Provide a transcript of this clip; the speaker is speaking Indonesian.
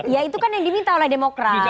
ya itu kan yang diminta oleh demokrat